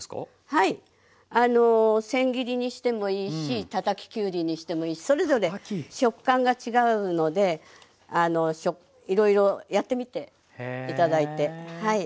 はいせん切りにしてもいいしたたききゅうりにしてもいいしそれぞれ食感が違うのでいろいろやってみて頂いてはい。